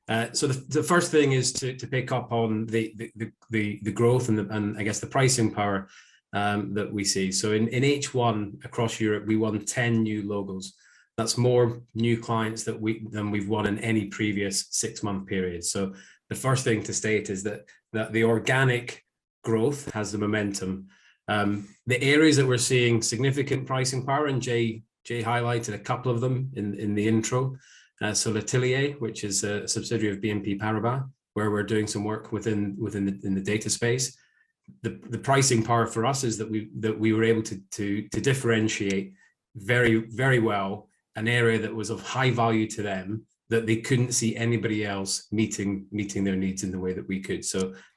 The first thing is to pick up on the growth and I guess the pricing power that we see. In H1 across Europe, we won 10 new logos. That's more new clients than we've won in any previous six-month period. The first thing to state is that the organic growth has the momentum. The areas that we're seeing significant pricing power, and Jay highlighted a couple of them in the intro. L'Atelier, which is a subsidiary of BNP Paribas, where we're doing some work in the data space. The pricing power for us is that we were able to differentiate very well an area that was of high value to them that they couldn't see anybody else meeting their needs in the way that we could.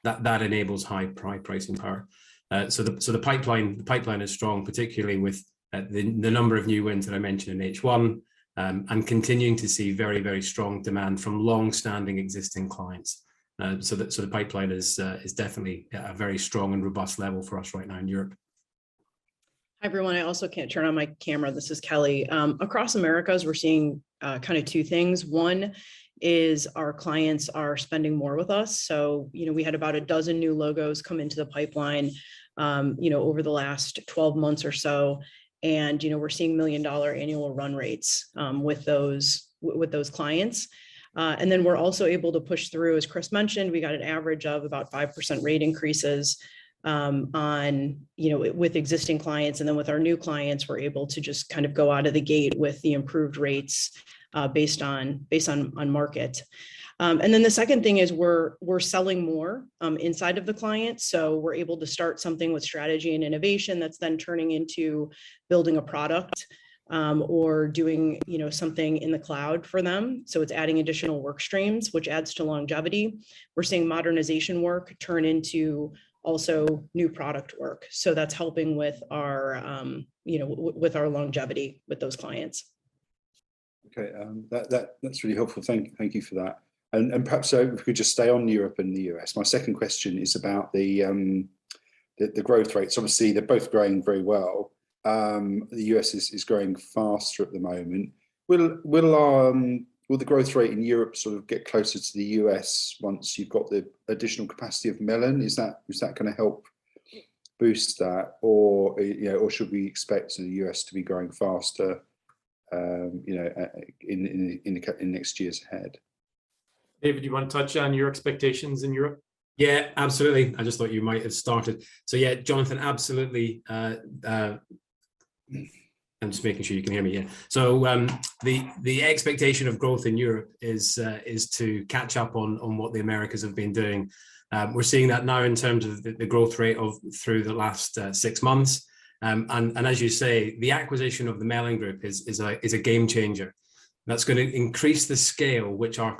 That enables high pricing power. The pipeline is strong, particularly with the number of new wins that I mentioned in H1, and continuing to see very strong demand from longstanding existing clients. The pipeline is definitely at a very strong and robust level for us right now in Europe. Hi, everyone. I also can turn on my camera. This is Kelly. Across Americas, we're seeing kind of two things. One is our clients are spending more with us, so, you know, we had about 12 new logos come into the pipeline, you know, over the last 12 months or so, and, you know, we're seeing $1 million annual run rates with those clients. And then we're also able to push through, as Chris mentioned, we got an average of about 5% rate increases on, you know, with existing clients, and then with our new clients, we're able to just kind of go out of the gate with the improved rates based on market. And then the second thing is we're selling more inside of the client. We're able to start something with strategy and innovation that's then turning into building a product, or doing, you know, something in the cloud for them. It's adding additional work streams, which adds to longevity. We're seeing modernization work turn into also new product work, so that's helping with our, you know, with our longevity with those clients. Okay. That's really helpful. Thank you for that. Perhaps so if we could just stay on Europe and the U.S. My second question is about the growth rates. Obviously, they're both growing very well. The U.S. is growing faster at the moment. Will the growth rate in Europe sort of get closer to the U.S. once you've got the additional capacity of Melon? Is that gonna help boost that, or, you know, or should we expect the U.S. to be growing faster, you know, in the next years ahead? David, do you wanna touch on your expectations in Europe? Yeah, absolutely. I just thought you might have started. Yeah, Jonathan, absolutely. I'm just making sure you can hear me, yeah. The expectation of growth in Europe is to catch up on what the Americas have been doing. We're seeing that now in terms of the growth rate over the last six months. And as you say, the acquisition of the Melon Group is a game changer. That's gonna increase the scale which our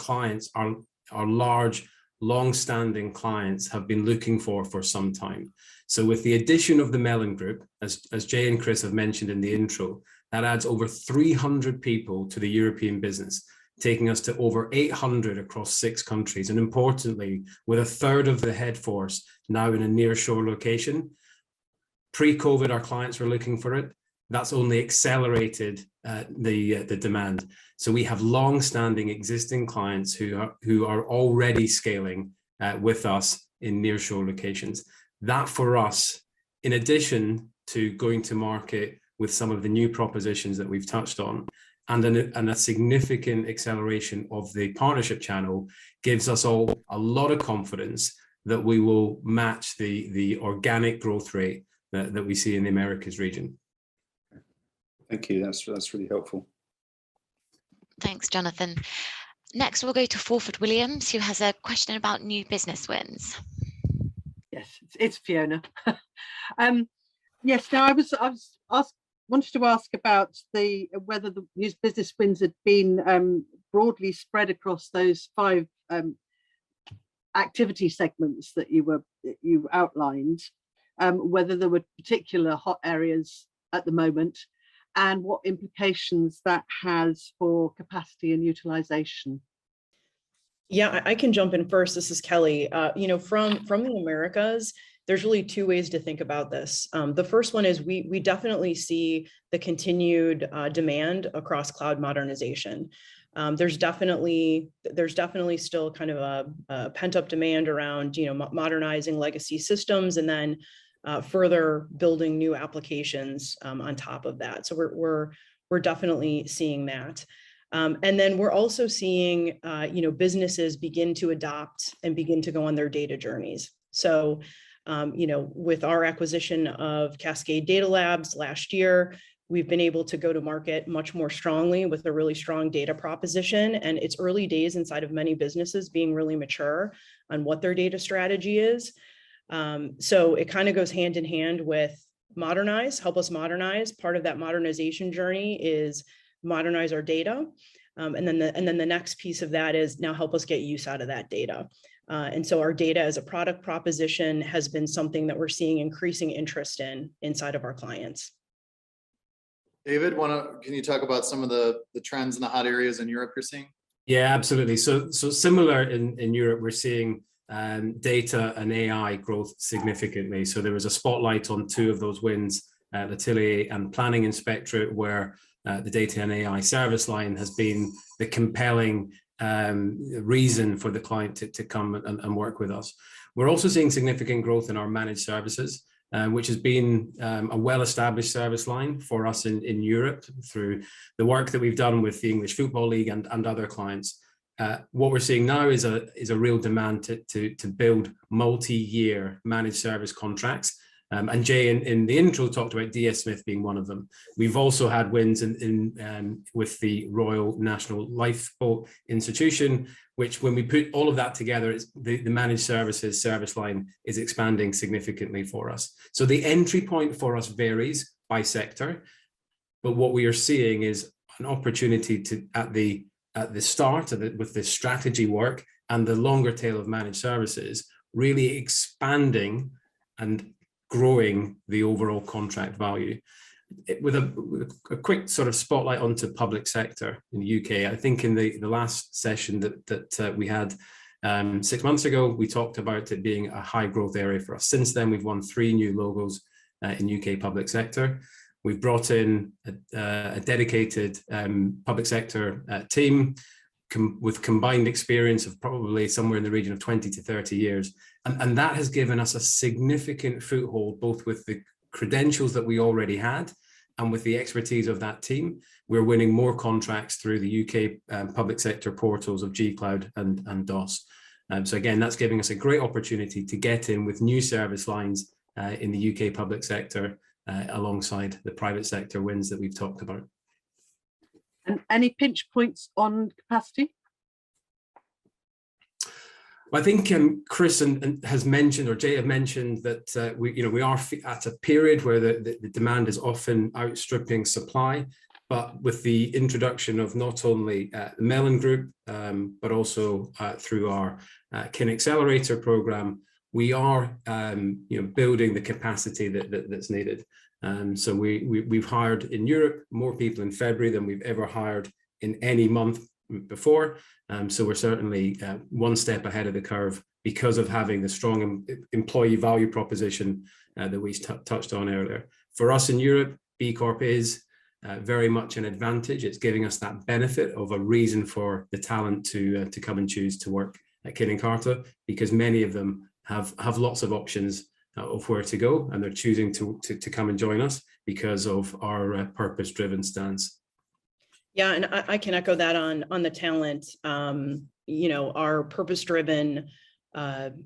large, long-standing clients have been looking for some time. With the addition of the Melon Group, as Jay and Chris have mentioned in the intro, that adds over 300 people to the European business, taking us to over 800 across six countries, and importantly, with a third of the headcount now in a nearshore location. Pre-COVID, our clients were looking for it. That's only accelerated the demand. We have longstanding existing clients who are already scaling with us in nearshore locations. That, for us, in addition to going to market with some of the new propositions that we've touched on and a significant acceleration of the partnership channel, gives us all a lot of confidence that we will match the organic growth rate that we see in the Americas region. Thank you. That's really helpful. Thanks, Jonathan. Next, we'll go to Fiona Orford-Williams, who has a question about new business wins. Yes, it's Fiona. I wanted to ask about whether the new business wins had been broadly spread across those five activity segments that you outlined, whether there were particular hot areas at the moment, and what implications that has for capacity and utilization. Yeah, I can jump in first. This is Kelly. You know, from the Americas, there's really two ways to think about this. The first one is we definitely see the continued demand across cloud modernization. There's definitely still kind of a pent-up demand around, you know, modernizing legacy systems and then further building new applications on top of that. We're definitely seeing that. Then we're also seeing, you know, businesses begin to adopt and begin to go on their data journeys. You know, with our acquisition of Cascade Data Labs last year, we've been able to go to market much more strongly with a really strong data proposition, and it's early days inside of many businesses being really mature on what their data strategy is. It kind of goes hand in hand with modernizing. Help us modernize. Part of that modernization journey is modernizing our data, and the next piece of that is to help us get use out of that data. Our data as a product proposition has been something that we're seeing increasing interest in inside of our clients. David, can you talk about some of the trends in the hot areas in Europe you're seeing? Yeah, absolutely. Similar in Europe, we're seeing data and AI growth significantly. There was a spotlight on two of those wins at L'Atelier and Planning Inspectorate, where the data and AI service line has been the compelling reason for the client to come and work with us. We're also seeing significant growth in our managed services, which has been a well-established service line for us in Europe through the work that we've done with the English Football League and other clients. What we're seeing now is a real demand to build multiyear managed service contracts, and Jay in the intro talked about DS Smith being one of them. We've also had wins with the Royal National Lifeboat Institution, which when we put all of that together, it's the managed services service line is expanding significantly for us. The entry point for us varies by sector. What we are seeing is an opportunity to, at the start of it, with the strategy work and the longer tail of managed services, really expanding and growing the overall contract value. With a quick sort of spotlight onto public sector in the U.K., I think in the last session that we had six months ago, we talked about it being a high growth area for us. Since then, we've won 3 new logos in U.K. public sector. We've brought in a dedicated public sector team with combined experience of probably somewhere in the region of 20-30 years. That has given us a significant foothold, both with the credentials that we already had and with the expertise of that team. We're winning more contracts through the U.K. public sector portals of G-Cloud and DOS. Again, that's giving us a great opportunity to get in with new service lines in the U.K. public sector alongside the private sector wins that we've talked about. Any pinch points on capacity? I think, Chris has mentioned or Jay have mentioned that, you know, we are at a period where the demand is often outstripping supply. With the introduction of not only the Melon Group, but also through our Kin Accelerator Program, we are, you know, building the capacity that's needed. We've hired in Europe more people in February than we've ever hired in any month before. We're certainly one step ahead of the curve because of having the strong employee value proposition that we touched on earlier. For us in Europe, B Corp is very much an advantage. It's giving us that benefit of a reason for the talent to come and choose to work at Kin + Carta because many of them have lots of options of where to go, and they're choosing to come and join us because of our purpose-driven stance. Yeah. I can echo that on the talent. You know, our purpose-driven,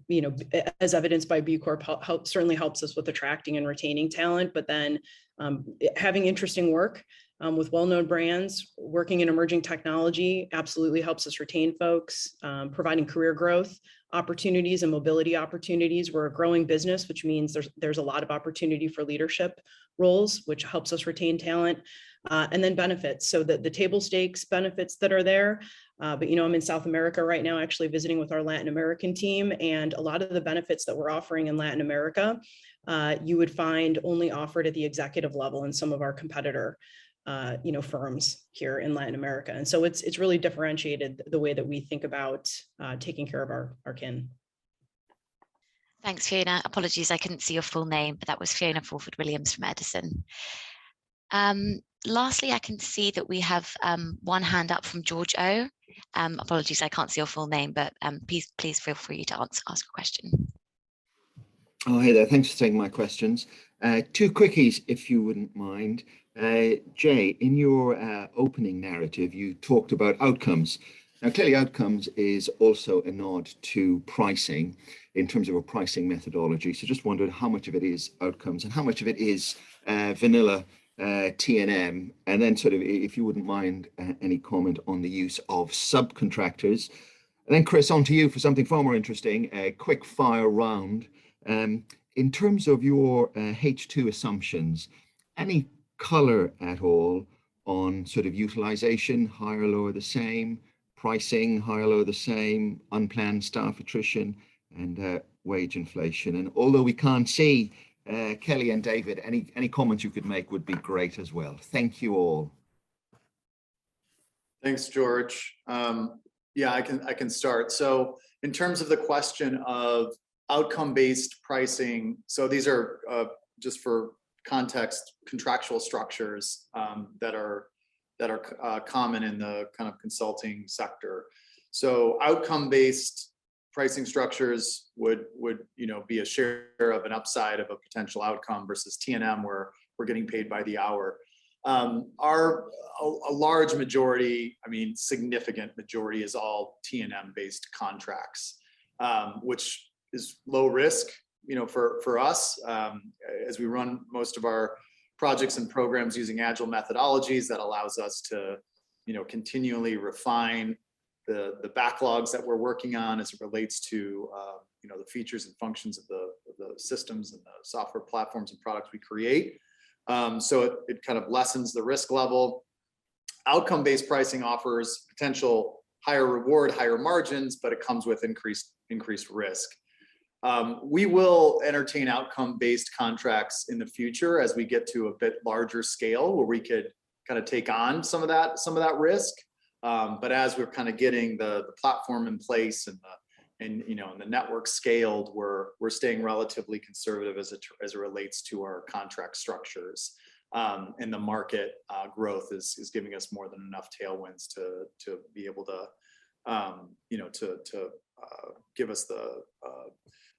you know, as evidenced by B Corp help, certainly helps us with attracting and retaining talent. Having interesting work with well-known brands, working in emerging technology absolutely helps us retain folks, providing career growth opportunities and mobility opportunities. We're a growing business, which means there's a lot of opportunity for leadership roles, which helps us retain talent, and then benefits. The table stakes benefits that are there, but you know, I'm in South America right now actually visiting with our Latin American team, and a lot of the benefits that we're offering in Latin America, you would find only offered at the executive level in some of our competitor firms here in Latin America.It's really differentiated the way that we think about taking care of our Kin. Thanks, Fiona. Apologies, I couldn't see your full name, but that was Fiona Orford-Williams from Edison. Lastly, I can see that we have one hand up from George O. Apologies, I can't see your full name, but please feel free to ask a question. Oh, hey there. Thanks for taking my questions. Two quickies, if you wouldn't mind. Jay, in your opening narrative, you talked about outcomes. Now, clearly outcomes is also a nod to pricing in terms of a pricing methodology. Just wondered how much of it is outcomes and how much of it is vanilla T&M. Then sort of, if you wouldn't mind, any comment on the use of subcontractors. Chris, onto you for something far more interesting, a quick fire round. In terms of your H2 assumptions, any color at all on sort of utilization, higher, lower, the same? Pricing, higher, lower, the same? Unplanned staff attrition and wage inflation. Although we can't see Kelly and David, any comments you could make would be great as well. Thank you all. Thanks, George. Yeah, I can start. In terms of the question of outcome-based pricing, these are just for context, contractual structures that are common in the kind of consulting sector. Outcome-based pricing structures would, you know, be a share of an upside of a potential outcome versus T&M, where we're getting paid by the hour. Our a large majority, I mean, significant majority is all T&M-based contracts, which is low risk. You know, for us, as we run most of our projects and programs using agile methodologies, that allows us to, you know, continually refine the backlogs that we're working on as it relates to, you know, the features and functions of the systems and the software platforms and products we create. It kind of lessens the risk level. Outcome-based pricing offers potential higher reward, higher margins, but it comes with increased risk. We will entertain outcome-based contracts in the future as we get to a bit larger scale where we could kinda take on some of that risk. As we're kind of getting the platform in place and you know, and the network scaled, we're staying relatively conservative as it relates to our contract structures. The market growth is giving us more than enough tailwinds to be able to give us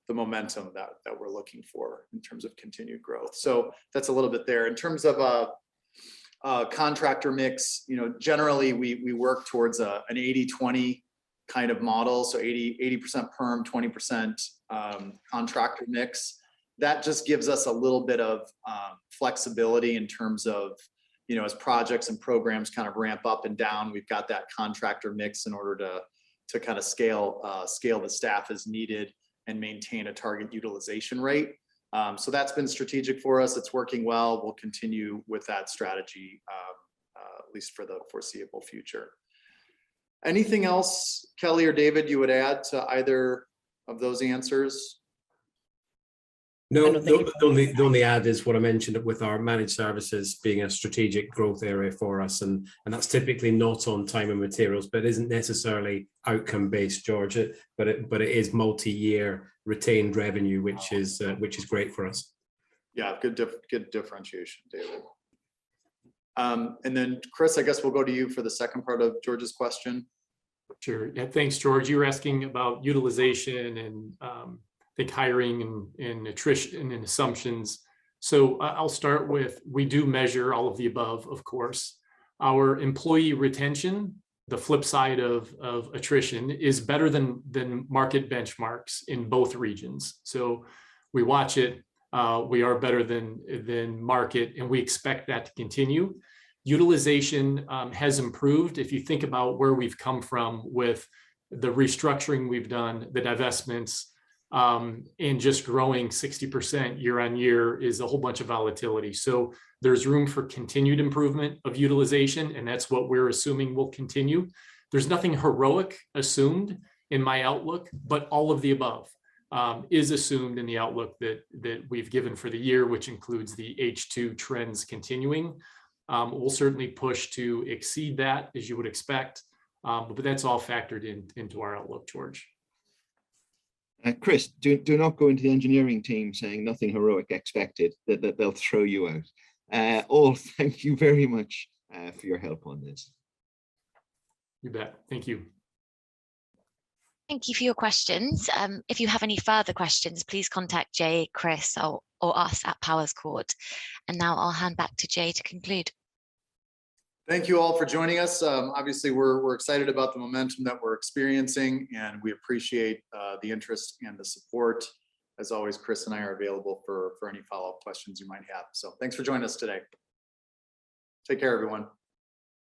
the momentum that we're looking for in terms of continued growth. That's a little bit there. In terms of a contractor mix, you know, generally, we work towards an 80/20 kind of model, so 80% perm, 20% contractor mix. That just gives us a little bit of flexibility in terms of, you know, as projects and programs kind of ramp up and down. We've got that contractor mix in order to kinda scale the staff as needed. Maintain a target utilization rate. That's been strategic for us. It's working well. We'll continue with that strategy, at least for the foreseeable future. Anything else, Kelly or David, you would add to either of those answers? No. The only add is what I mentioned with our managed services being a strategic growth area for us and that's typically not on time and materials, but isn't necessarily outcome-based, George. It is multi-year retained revenue, which is great for us. Yeah. Good differentiation, David. Chris, I guess we'll go to you for the second part of George's question. Sure. Yeah, thanks, George. You were asking about utilization and I think hiring and attrition and assumptions. I'll start with we do measure all of the above, of course. Our employee retention, the flip side of attrition, is better than market benchmarks in both regions. We watch it. We are better than market, and we expect that to continue. Utilization has improved. If you think about where we've come from with the restructuring we've done, the divestments, and just growing 60% year-on-year is a whole bunch of volatility. There's room for continued improvement of utilization, and that's what we're assuming will continue. There's nothing heroic assumed in my outlook, but all of the above is assumed in the outlook that we've given for the year, which includes the H2 trends continuing. We'll certainly push to exceed that, as you would expect. That's all factored in, into our outlook, George. Chris, do not go into the engineering team saying nothing heroic expected. They'll throw you out. All, thank you very much for your help on this. You bet. Thank you. Thank you for your questions. If you have any further questions, please contact Jay, Chris or us at Powerscourt. Now I'll hand back to Jay to conclude. Thank you all for joining us. Obviously we're excited about the momentum that we're experiencing, and we appreciate the interest and the support. As always, Chris and I are available for any follow-up questions you might have. Thanks for joining us today. Take care, everyone.